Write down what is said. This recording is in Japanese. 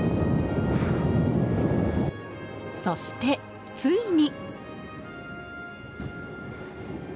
そして、ついに。